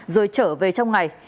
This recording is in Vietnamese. rồi trở về trong ngày